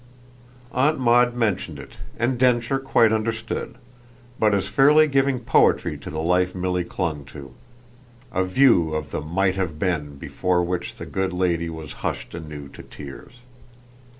Aunt Maud mentioned it and Densher quite understood but as fairly giving poetry to the life Milly clung to: a view of the "might have been" before which the good lady was hushed anew to tears.